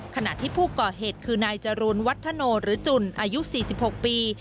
ขณะที่ผู้ก่อเหตุคือนายจรูนวัฒโนหรือจุ่นอายุ๔๖ปี